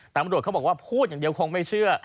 ตำรวจเขาบอกว่าพูดอย่างเดียวคงไม่เชื่อ